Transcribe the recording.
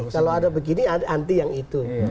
kalau ada begini anti yang itu